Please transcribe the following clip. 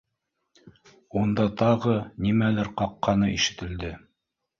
Унда тағы нимәлер ҡаҡҡаны ишетелде